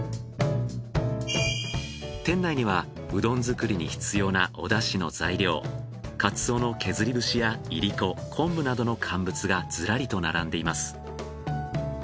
店内にはうどん作りに必要なお出汁の材料かつおの削り節やいりこ昆布などの乾物がずらりと並んでいます。